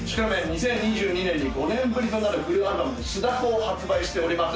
２０２２年に５年ぶりとなるフルアルバム「スダコ」を発売しております